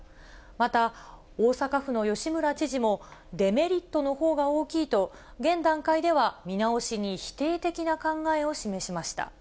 また、大阪府の吉村知事も、デメリットのほうが大きいと、現段階では見直しに否定的な考えを示しました。